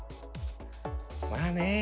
まあね。